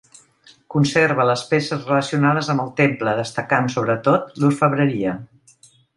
Conserva les peces relacionades amb el temple, destacant sobretot l'orfebreria.